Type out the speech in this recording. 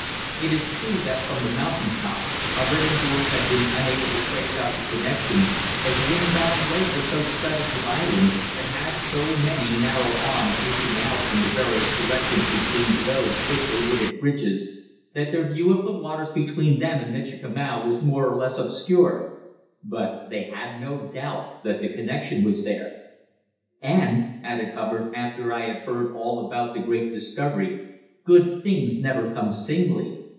It is true that from the mountain top Hubbard and George had been unable to trace out the connection, as Windbound Lake was so studded with islands, and had so many narrow arms reaching out in the various directions between low, thickly wooded ridges, that their view of the waters between them and Michikamau was more or less obscured; but they had no doubt that the connection was there. "And," added Hubbard, after I had heard all about the great discovery, "good things never come singly.